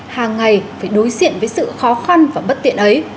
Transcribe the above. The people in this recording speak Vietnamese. hàng ngày phải đối diện với sự khó khăn và bất tiện ấy